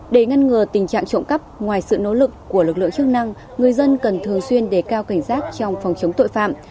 để ngăn ngừa tình trạng trộm cắp ngoài sự nỗ lực của lực lượng chức năng người dân cần thường xuyên để cao cảnh giác trong phòng chống tội phạm